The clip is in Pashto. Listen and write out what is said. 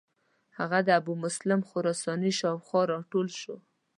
هغه د ابومسلم خراساني شاو خوا را ټول شو.